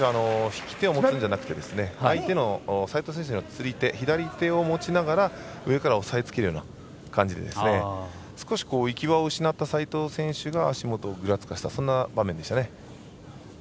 引き手を持つんじゃなくて相手の斉藤選手の釣り手左手を持ちながら上から抑えつけるような感じで少し行き場を失った斉藤選手が足元をぐらつかせたそんな場面でしたね。